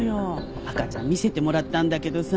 赤ちゃん見せてもらったんだけどさ